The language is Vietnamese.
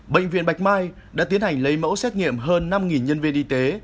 bệnh viện bạch mai đã tiến hành lấy mẫu xét nghiệm hơn năm nhân viên y tế